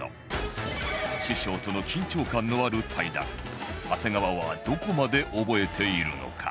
師匠との緊張感のある対談長谷川はどこまで覚えているのか？